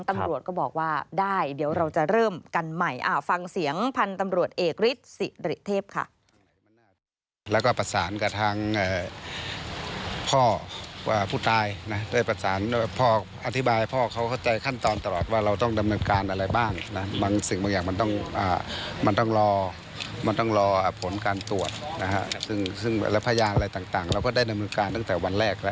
ตำรวจก็บอกว่าได้เดี๋ยวเราจะเริ่มกันใหม่ฟังเสียงพันธุ์ตำรวจเอกฤทธิ์สิริเทพค่ะ